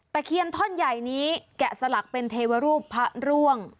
เคียนท่อนใหญ่นี้แกะสลักเป็นเทวรูปพระร่วง